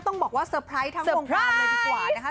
ต้องบอกว่าเซอร์ไพรส์ทั้งวงความเลยดีกว่า